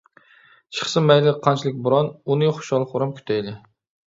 چىقسا مەيلى قانچىلىك بوران، ئۇنى خۇشال-خۇرام كۈتەيلى!